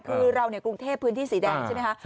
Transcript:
คือเรากรุงเทพพื้นที่สีแดงใช่ไหมคะ